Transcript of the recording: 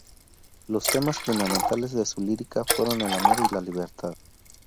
Los temas fundamentales de su lírica fueron el amor y la libertad.